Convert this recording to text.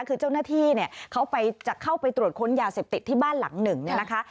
คือเจ้าหน้าที่เนี่ยเขาจะเข้าไปตรวจค้นยาเสพติดที่บ้านหลังหนึ่งเนี่ยนะคะ